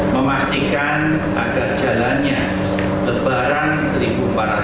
memastikan agar jalannya lebaran seribu empat ratus empat puluh empat litri yang berjalan dengan lancar